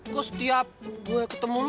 kok setiap gue ketemu